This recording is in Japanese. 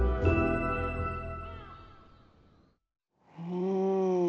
うん。